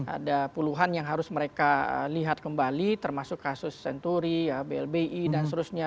ada puluhan yang harus mereka lihat kembali termasuk kasus senturi blbi dan seterusnya